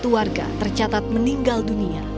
empat puluh satu warga tercatat meninggal dunia